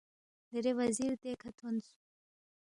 دیرے وزیر دیکھہ تھونس